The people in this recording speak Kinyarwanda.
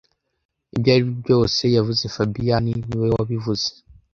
Ibyo aribyo byose yavuze fabien niwe wabivuze